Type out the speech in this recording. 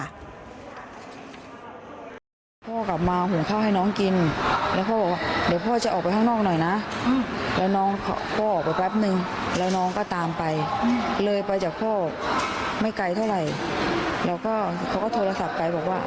โดนแทงอย่างนี้แล้วน้องหนูก็จะอยู่อย่างไร